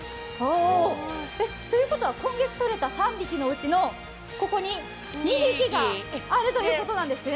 ということは今月とれた３匹のうち、ここに２匹あるということですね？